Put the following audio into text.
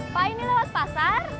pah ini lewat pasar